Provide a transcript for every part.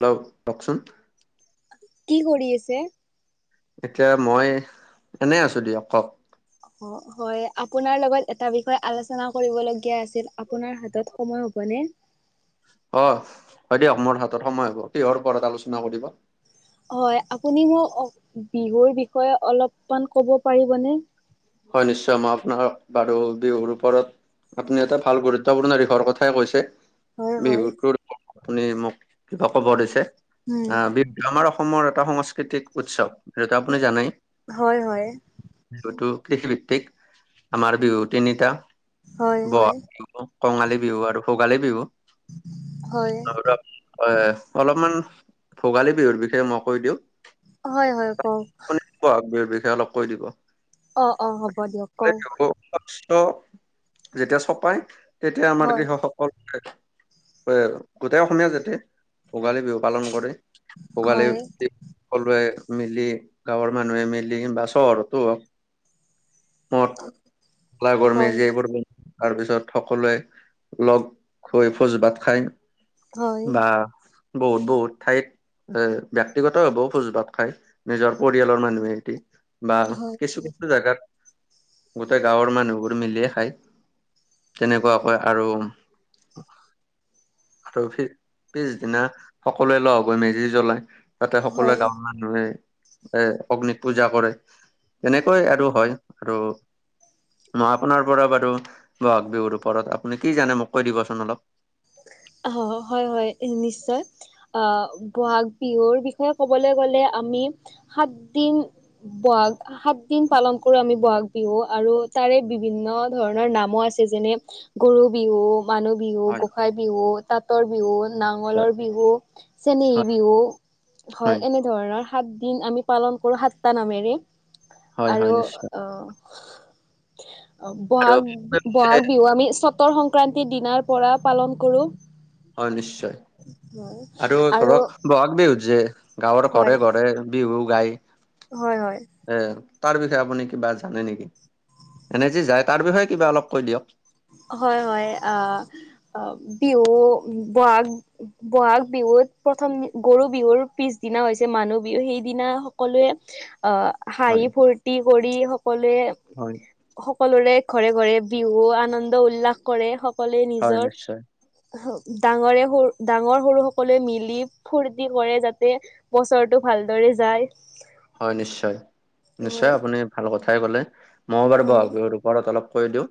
Hello কওকচোন? কি কৰি আছে? এতিয়া মই এনেই আছো দিয়ক কওক? অ, হয় আপোনাৰ লগত এটা বিষয়ে আলোচনা কৰিবলগীয়া আছে। আপোনাৰ হাতত সময় হ'বনে? অ, হয় দিয়ক মোৰ হাতত সময় হ'ব। কিহৰ ওৰত আলোচনা কৰিব? হয় আপুনি মোক বিহুৰ বিষয়ে অলপমান ক'ব পাৰিবনে। হয় নিশ্চয় মই আপোনাৰ বাৰু বিহুৰ ওপৰত আপুনি এটা ভাল গুৰুত্বপূৰ্ণ দিশৰ কথাই কৈছে। হয়, হয়, বিহুত আপুনি মোক কিবা কবৰ দিছে উম, আহ, বিহু। আমাৰ অসমৰ এটা সংস্কৃতিক উৎসৱ যিটো আপুনি জানেই। হয়, হয়। বিহুতটো কৃষিভিত্তিক আমাৰ বিহু তিনিটা হয়, ব হয়, বি কঙালী বিহু আৰু ভোগালী বিহু হয়। আৰু হয় অলপমান ভোগালী বিহুৰ বিষয়ে মই কৈ দিওঁ হয় হয় কওক আপুনি বিষয়ে অলপ কৈ দিব অ', অ', হ'ব দিয়ক কও শস্য যেতিয়া চপাই তেতিয়া আমাৰ হয়, কৃষকসকল আৰু গোটেই অসমীয়া জাতি ভোগালী বিহু পালন কৰে ভোগলী হয়, সকলোৱে মিলি গাঁৱৰ মানুহে মিলি বা চহৰতো হওক হয়, [unintelligible] তাৰপিছত সকলোৱে লগ হৈ ভোজ ভাত খাই। হয়, বা বহুত বহুত ঠাইত এ ব্যয়ক্তিগত হ'লেও ভোজ ভাত খাই নিজৰ পৰিয়ালৰ মানুহে এটি বা হয়, কিছু কিছু জোগাত গোটেই গাঁৱৰ মানুহবোৰ মিলিয়ে খায়। তেনেকুৱাকৈ আৰু আৰুি পিছদিনা সকলোৱে লগ হৈ মেজি জ্বলাই। তাতে সকলোৱে হয়। গাঁৱৰ মানুহে এৰ অগ্নিক পূজা কৰে হয় আৰু হয় আৰু মই আপোনাৰ পৰা বাৰু বহাগ বিহুৰ ওপৰত আপুনি কি জানে মোক কৈ দিবচোন অলপ অ', হয় হয় নিশ্চয় বহাগ বিহুৰ বিষয়ে ক'বলৈ গ'লে আমি সাতদিন বহাগ সাতদিন পালন কৰোঁ আমি বহাগ বিহু আৰু তাৰে বিভিন্ন ধৰণৰ নামো আছে যেনে গৰু বিহু, মানুহ বিহু, হয় গোঁসাই বিহু, তাঁতৰ বিহু নিশ্চয় নাঙলৰ বিহু চেনেহী হয় বিহু হয় এনে ধৰণৰ সাতদিন আমি পালন কৰোঁ সাতটা নামেৰে হয় আৰু হয় নিশ্চয় আৰু বহাগ বি বহাগ বিহু আমি চতৰ সংক্ৰান্তিৰ দিনাৰ পৰা পালন কৰোঁ হয় নিশ্চয় আৰু ধৰক বহাগ বিহুত যে গাঁৱৰ হয় ঘৰে ঘৰে বিহু গাই হয় হয় এ তাৰ বিষয়ে আপুনি কিবা জানে নেকি এনে যি যায় তাৰ বিষয়ে কিবা অলপ কৈ দিয়ক হয় হয় আ বিহু বহাগ বহাগ বিহুত প্ৰথম গৰু বিহুৰ পিছদিনা হৈছে মানুহ বিহু সেইদিনা সকলোৱে অ', হয় হাঁহি ফূৰ্তি কৰি সকলোৱে হয়। সকলোৰে ঘৰে ঘৰে বিহু আনন্দ উল্লাস কৰে সকলোৱে হয় নিজৰ নিশ্চয় ডাঙৰে সৰু ডাঙৰ সৰু সকলোৱে মিলি ফূৰ্তি কৰে যাতে বছৰটো ভালদৰে যায় হয় নিশ্চয় নিশ্চয় হয় আপুনি ভাল কথাই কলে মই বাৰু বহাগ হয় বিহুৰ ঘৰত অলপ কৈ দিওঁ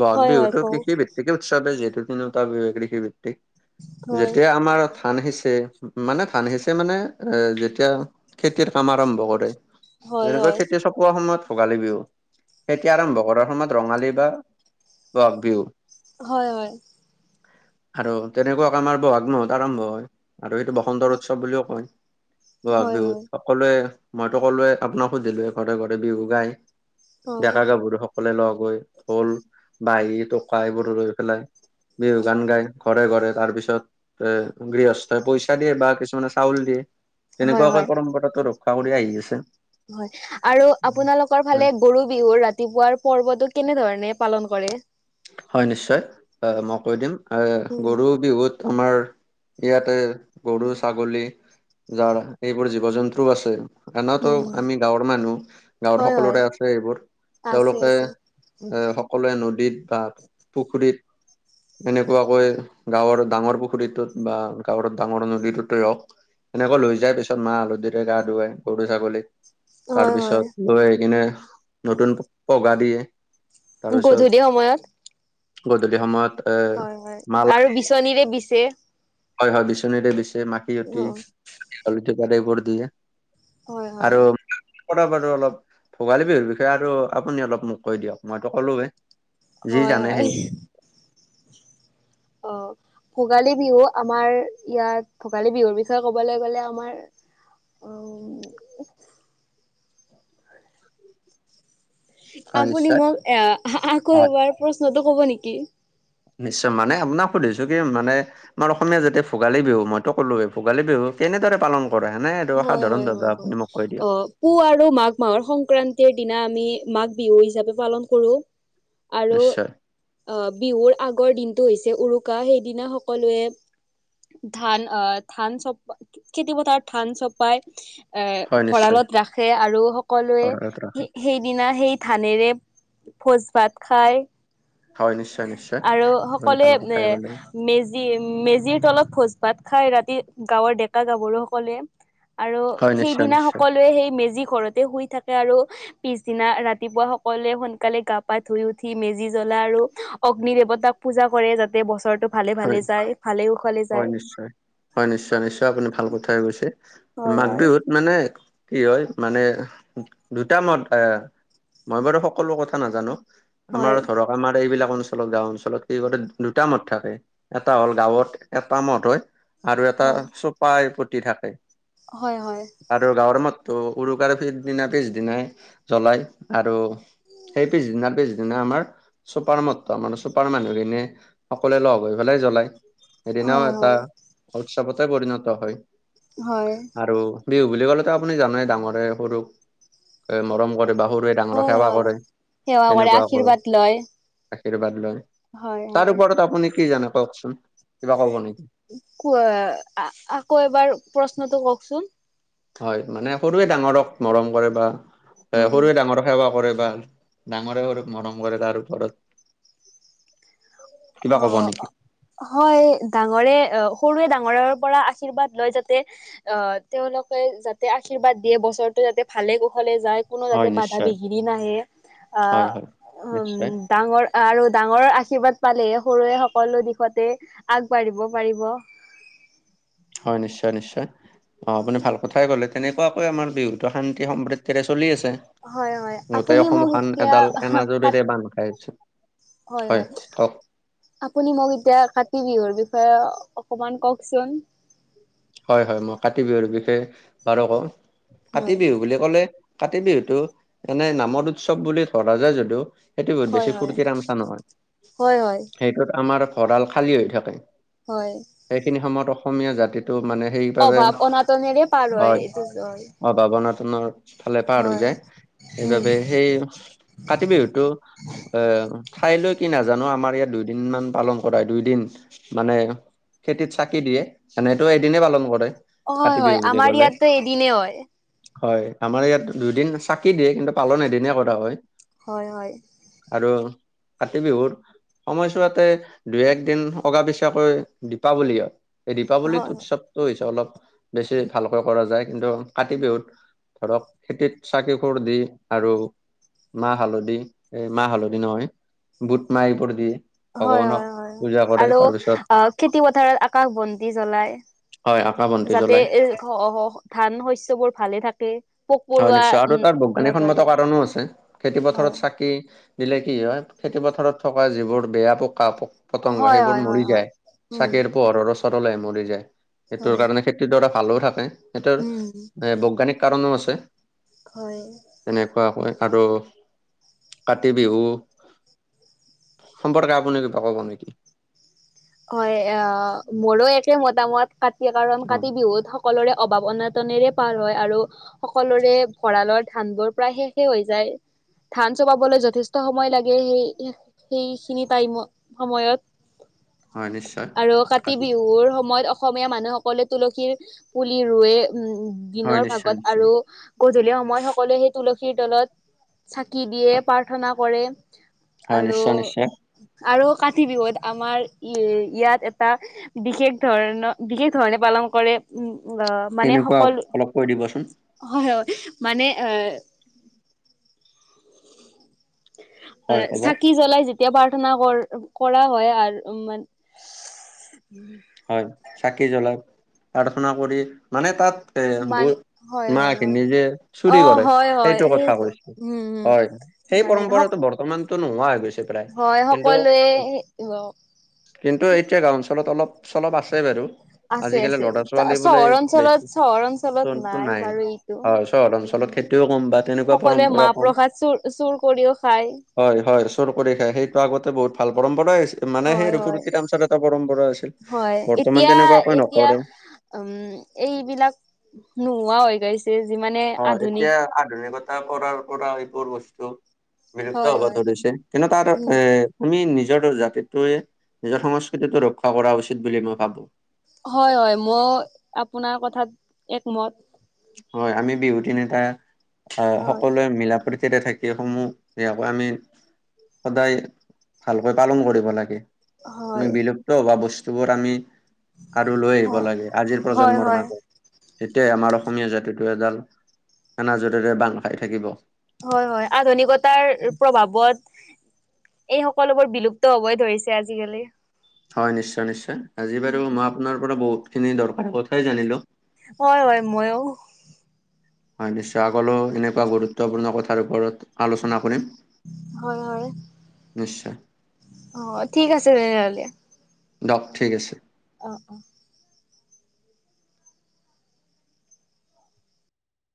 বহাগ হয় হয় বিহুতটো কওঁ কৃষিভিত্তিকে উৎসৱে যিহেতু তিনিটা বিহুৱে কৃষিভিত্তিক হয় যেতিয়া আমাৰ ধান সিঁচে মানে ধান সিঁচে মানে এ যেতিয়া খেতিৰ কাম আৰম্ভ কৰে হয় যেনেকৈ খেতি চপোৱা সময়ত ভোগালী বিহু খেতি আৰম্ভ কৰাৰ সময়ত ৰঙালী বা বহাগ বিহু হয় হয়। আৰু তেনেকুৱা আমাৰ বহাগ মাহত আৰম্ভ হয় আৰু সেইটো বসন্ত উৎসৱ বুলিও কয়। বহাগ হয় বিহুত হয় সকলোৱে মইতো সকলোৱে আপোনাক সুধিলো ঘৰে ঘৰে বিহু গাই হয় ডেকা গাভৰু সকলে লগ হৈ ঢোল, বাঁহী, টকা এইবোৰ লৈ পেলাই বিহু গান গাই ঘৰে ঘৰে তাৰ পিছত অ' গৃহস্থই পইচা দিয়ে বা কিছুমানে চাউল দিয়ে। হয় তেনেকুৱাকৈ হয় পৰম্পৰাটো ৰক্ষা কৰি আহি আছে। হয় আৰু আপোনালোক? লোকৰ হয় ফালে গৰু বিহুৰ ৰাতিপুৱাৰ পৰ্বটো, কেনেধৰণে পালন কৰে? হয় নিশ্চয়। অ' মই কৈ দিম এ উম। গৰু বিহুত আমাৰ ইয়াতে গৰু ছাগলী যাৰ এইবোৰ জীৱ জন্তু আছে। এনৱতো উম আমি গাঁৱৰ মানুহ গাঁৱৰ হয় হয়। সকলোৰে আছে এইবোৰ। আছে তেওঁলোকে আছে। এ সকলোৱে নদীত বা পুখুৰীত এনেকুৱাকৈ গাঁৱৰ ডাঙৰ পুখুৰীটোত বা গাঁৱৰ ডাঙৰ নদীটোতে হওঁক এনেকৈ লৈ যায় পিছত, মাহ হালহধিৰে গা ধুৱাই গৰু ছাগলী। হয় হয় তাৰপিছত লৈ আহি কিনে নতুন পঘা দিয়ে। তাৰ গধূলি পিছত সময়ত। গধূলি সময়ত। এ হয় হয় মালা আৰু বিচনীৰে বিচে। হয় হয় বিচনীৰে বিচে অ মাখিয়তি হালধি পাত এইবোৰ দিয়ে। হয় হয়। আৰু কথা পাতো অলপ। ভোগালী বিহুৰ বিষয়ে আৰু আপুনি অলপ মোক কৈ দিয়ক? মইতো ক'লো এ। হয়, হয়। অ'। ভোগালী বিহু, আমাৰ ইয়াত ভোগালী বিহুৰ বিষয়ে ক'বলৈ গ'লে আমাৰ অ'। হয় আপুনি, নিশ্চয় মোক এ আকৌ হয় এবাৰ প্ৰশ্নটো কব নেকি? নিশ্চয়, মানে আপোনাক সুধিছো কি মানে আমাৰ অসমীয়া জাতি ভোগালী বিহু, মইতো ক'লোৱে ভোগালী বিহু কেনেদৰে পালন কৰে এনে আৰু হয় হয় হয় সাধাৰণভাৱে হয়। আপুনি মোক কৈ দিয়ক। অ' পুহ আৰু মাঘ মাহৰ, সংক্ৰান্তিৰ দিনা আমি মাঘ বিহু হিচাপে পালন কৰোঁ। আৰু নিশ্চয় বিহুৰ আগৰ দিনটো হৈছে, উৰুকা সেইদিনা সকলোৱে ধান আ ধান চপ, খেতিপথাৰত ধান চপাই, এ হয় নিশ্চয় ভঁৰালত ৰাখে, আৰু সকলোৱে অৰত ৰাখোঁ। সেইদিনা, সেই ধানেৰে ভোজ ভাত খাই। হয় নিশ্চয় নিশ্চয়, আপুনি সকলোৱে ভাল এ কথাই ক'লে। মেজি, মেজিৰ তলত ভোজ ভাত খাই ৰাতি গাঁৱৰ ডেকা গাভৰু-সকলে। আৰু হয় নিশ্চয় সেইদিনা নিশ্চয় সকলোৱে সেই মেজি ঘৰতে শুই থাকে আৰু পিছদিনা ৰাতিপুৱা সকলোৱে সোনকালে গা পা ধুই উঠি, মেজি জ্বলা আৰু অগ্নি দেৱতাক পূজা কৰে। যাতে বছৰটো ভালে ভালে হয়, যায় ভালে কুশলে যায় হয় নিশ্চয় হয় নিশ্চয় নিশ্চয়, আপুনি ভাল কথাই কৈছে। হয় মাঘ হয় বিহুত মানে, কি হয় মানে দুটা মাহত আ মই বাৰু সকলো কথা নাজানো। আমাৰ ধৰক আমাৰ এইবিলাক অঞ্চলত গাঁও অঞ্চলত কি কৰে দুটা মত থাকে। এটা হ'ল গাঁৱত এটা মত হয়, আৰু এটা হয় চোপাই পতি থাকে। হয়, হয়। আৰু গাঁৱৰ মততো উৰুকাৰ পিছদিনা পিছদিনাই জ্বলাই আৰু সেই পিছদিনাৰ পিছদিনা আমাৰ চুপাৰ মতটো আমাৰ চুপাৰ মানুহখিনি সকলোৱে লগ হৈ পেলাই জ্বলাই, সেইদিনাও হয় এটা উৎসৱতে পৰিণত হয়। হয় হয় আৰু বিহু বুলি ক'লেতো আপুনি জানেই, ডাঙৰে সৰুক মৰম কৰে বা সৰুৱে ডাঙৰক হয় সেৱা কৰে, হয় সেৱা কৰে তেনেকুৱাকৈ আশীৰ্বাদ লয় আশীৰ্বাদ লৈ হয় তাৰ হয় ওপৰত আপুনি কি জানে, কওকচোন কিবা কব নেকি? কোৱা, আকৌ এবাৰ প্ৰশ্নটো কওকচোন? হয় মানে সৰুৱে ডাঙৰক মৰম কৰে, বা উম। এ সৰুৱে ডাঙৰক সেৱা কৰে, বা ডাঙৰে সৰুক মৰম কৰে তাৰ ওপৰত কিবা ক'ব নেকি? অ'। হয় ডাঙৰে, সৰুৱে ডাঙৰৰ পৰা আশীৰ্বাদ লয় যাতে আহ তেওঁলোকে যাতে আশীৰ্বাদ দিয়ে, বছৰটো যাতে ভালে কুশলে যায়। কোনো যাতে হয় বাধা নিশ্চয় বিঘিনি নাহে, আ হয় হয়। নিশ্চয় উম'। ডাঙৰ, আৰু ডাঙৰৰ আশীৰ্বাদ পালেহে সৰুৱে সকলো দিশতে আগবাঢ়িব পাৰিব। হয় নিশ্চয় নিশ্চয়, অ', আপুনি ভাল কথাই ক'লে, তেনেকুৱাকৈ আমাৰ বিহুটো শান্তি সমৃদ্ধিৰে চলি আছে। হয় হয় গোটেই আপুনি মোক অসমখন এতিয়া এডাল কাত এনাজৰীৰে বান্ধ খাই উঠিছে। হয় হয়। আপুনি, মোক এতিয়া কাতি বিহুৰ বিষয়ে অকণমান কওকচোন। হয়, হয়, মই কাতি বিহুৰ বিষয়ে বাৰু কওঁ, কাতি হয় বিহু বুলি ক'লে, কাতি বিহুতটো এনে নামৰ উৎসৱ বুলি ধৰা যায় যদিও সেইটো বহুত হয় বেছি হয় ফূৰ্তি আমচা নহয়, হয় হয় সেইটোত আমাৰ ভঁৰাল খালী হৈ থাকে। হয়। সেইখিনি সময়ত অসমীয়া জাতিটো মানে, সেইবাবে অভাৱ অনাটনেৰে পাৰ হয়। এইটো জয় অভাৱ অনাটনৰ ফালে পাৰ হৈ হয়। যায় সেইবাবে সেই কাটি বিহুতো আহ ঠাইলৈ কি নাজানো আমাৰ ইয়াত দুইদিন মান পালন কৰা দুইদিন মানে খেতিত চাকি দিয়ে এনেইটো এদিনেই পালন কৰে। হয় কাতি হয় বিহু বুলি আমাৰ ক'লে ইয়াতো এদিনে হয়। হয় আমাৰ ইয়াত দুদিন চাকি দিয়ে কিন্তু পালন এদিনে কৰা হয়। হয় হয়। আৰু কাতি বিহুৰ সময়ছাতে দুই এক দিন অগা পিচাকৈ দীপাৱলী এই হয়। দীপাৱলীটোত টো হৈছে অলপ বেছি ভালকৈ কৰা যায় কিন্তু কাতি বিহুত ধৰক খেতিত চাকি খোৰ দি আৰু মাহ হালধি এই মাহ হালধি নহয় বুট মাহ এইবোৰ দিয়ে। হয় হয় হয় আৰু খেতি পথাৰত আকাশ বন্তি জ্বলাই। হয় আকাশ বন্তি যাতে জ্বলাই এ ধান শস্য়বোৰ ভালে থাকে। পোক হয় পৰুৱা নিশ্চয় আৰু উম তাৰ নধৰে বৈজ্ঞানিকসন্মত কাৰণো আছে খেতি হয় পথাৰত চাকি দিলে কি হয় খেতি পথাৰত থকা যিবোৰ বেয়া পোককা প পতংগ হয় সেইবোৰ হয় হয় মৰি হয় যায় উম চাকে পোহৰৰ ম যায় হয় সেইটোৰ কাৰণে খেতিৰডৰা ভালও থাকে সেইটোৰ উম এ বৈজ্ঞানিক কাৰণো আছে। হয়। তেনেকুৱা হয় আৰু কাতি বিহু সম্পৰ্কে আপুনি কিবা ক'ব নেকি? হয় আহ মোৰ একে মতামত কাতি কাৰণ অ কাতি বিহুত সকলৰে অভাৱ অনাটনেৰে পাৰ হয় আৰু সকলোৰে ভঁৰালৰ ধান বোৰ প্ৰায় শেষে হৈ যায়। ধান চপাবলৈ যথেষ্ট সময় লাগে সেই সেইখিনি টাইমত সময়ত। হয় নিশ্চয় আৰু কাতি বিহুৰ সময়ত অসমীয়া মানুহসকলে তুলসীৰ পুলি ৰুৱে উম হয় দিনৰ নিশ্চয় ভাগত নিশ্চয় আৰু গধূলি সময়ত সকলোৱে সেই তুলসীৰ তলত চাকি দিয়ে প্ৰাৰ্থনা কৰে। হয় আৰু নিশ্চয় নিশ্চয় আৰু কাতি বিহুত আমাৰ ই ইয়াত এটা বিশেষ ধৰণৰ বিশেষ ধৰণে পালন কৰে আ মানে কেনেকুৱা সকলো অলপ কৈ দিবচোন হয় হয় মানে এ হয় অ', ক'ব চাকি জ্বলাই যে তেতিয়া প্ৰাৰ্থনা কৰ কৰা হয় আৰু মান হয়, চাকি জ্বলাই প্ৰাৰ্থনা কৰি মানে তাত এ মান হয় হয় হয় বুট-মাহখিনি যে চুৰি অ' কৰে, হয় হয় সেইটো কথা কৈছো। উম উম হয়। সেই মানে হক পৰম্পৰাটো বৰ্তমানতো নোহোৱা হৈ গৈছে। পেলাই। হয় কিন্তু সকলোৱে কিন্তু এতিয়া গাওঁ অঞ্চলত অলপ চলপ আছে বাৰু। আছে আজিকালি আছে ল'ৰা-ছোৱালী বোলে চহৰ অঞ্চলত চহৰ অঞ্চলত বেছিটো নাই। বাৰু এইটো হয়, চহৰ অঞ্চলত উম খেতি কিয় ক'ম বা তেনেকুৱা সকলোৱে মাহ পৰম্পৰাও কম। প্ৰসাদ চুৰ চুৰ কৰিও খায় হয় হয়। চোৰ কৰি খায়। সেইটো আগতে বহুত ভাল পৰম্পৰাই আছি মানে সেই হয় ৰঘুৰুথ হয় টামচাৰ এটা পৰম্পৰা আছিল। হয়, বৰ্তমান এতিয়া তেনেকুৱাকৈ এতিয়া নকৰে উম, এইবিলাক নোহোৱা হৈ গৈছ যে যিমানে অ', আধুনিক এতিয়া আধুনিকত তাৰ কৰাৰ পৰা এইবোৰ বস্তু বিলুপ্ত হয় হ'ব হয় ধৰিছে। কিন্তু তাৰ উম এ আমি নিজৰ জাতিটোয়ে, নিজৰ সংস্কৃতিটো ৰক্ষা কৰা উচিত বুলি মই ভাবো। হয় হয়। ময়ো আপোনাৰ কথাত একমত। হয়, আমি বিহু টীম এটা অহ হয় সকলোৱে মিলাপ্ৰীত তেতিয়া চাইকেলসমূহ সেয়া পৰা আমি সদায় ভালকৈ পালন কৰিব লাগে। আমি হয় বিলুপ্ত হোৱা বস্তুবোৰ আমি আৰু লৈ আহিব হয় লাগে আজিৰ হয় প্ৰজন্মৰ হয় মাজত। তেতিয়াই আমাৰ অসমীয়া জাতিটো এডাল এনাজৰিৰে বান্ধ খাই থাকিব। হয় হয়। আধুনিকতাৰ প্ৰভাৱত এই সকলোবোৰ বিলুপ্ত হ'বই ধৰিছে আজিকালি। হয়, নিশ্চয় নিশ্চয়। আজি বাৰু উম মই আপোনাৰ পৰা বহুতখিনি দৰকাৰী কথাই জানিলোঁ। হয় হয়, ময়ো। হয়, নিশ্চয়। আগলৈও এনেকুৱা গুৰুত্বপূৰ্ণ কথাৰ ওপৰত আলোচনা কৰিম। হয় হয় নিশ্চ অ', ঠিক আছে তেনেহ'লে। দিয়ক, ঠিক আছে। অ', অ'।